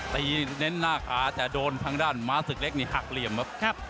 เน้นหน้าขาแต่โดนทางด้านม้าศึกเล็กนี่หักเหลี่ยมครับ